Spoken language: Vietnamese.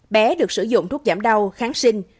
bé được sử dụng thuốc giảm đau kháng sinh